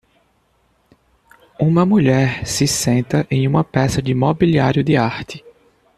Uma mulher se senta em uma peça de mobiliário de arte.